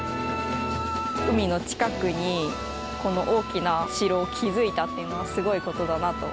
海の近くにこの大きな城を築いたっていうのはすごいことだなと。